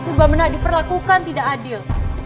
berubah menak diperlakukan tidak adil